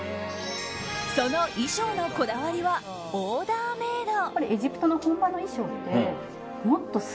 その衣装のこだわりはオーダーメイド。